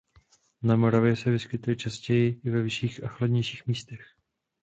Na Moravě se vyskytuje častěji i ve vyšších a chladnějších místech.